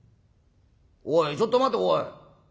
おいちょっと待ておい。